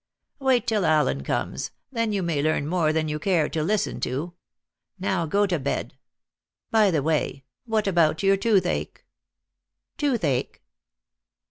"Wait till Allen comes: then you may learn more than you care to listen to. Now go to bed. By the way, what about your toothache?" "Toothache?"